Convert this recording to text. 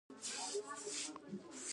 د افغانستان ازادي زنده باد.